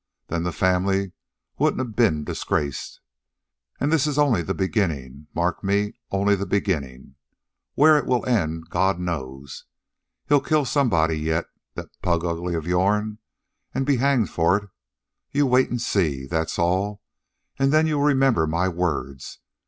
Then the family wouldn't a ben disgraced. An' this is only the beginnin', mark me, only the beginnin'. Where it'll end, God knows. He'll kill somebody yet, that plug ugly of yourn, an' be hanged for it. You wait an' see, that's all, an' then you'll remember my words.